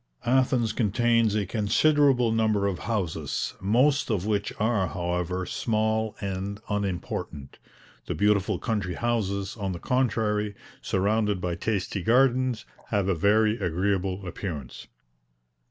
Athens contains a considerable number of houses, most of which are, however, small and unimportant; the beautiful country houses, on the contrary, surrounded by tasty gardens, have a very agreeable appearance.